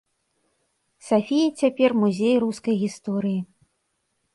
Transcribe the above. Сафіі цяпер музей рускай гісторыі.